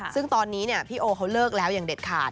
ซึ่งตอนนี้พี่โอเขาเลิกแล้วอย่างเด็ดขาด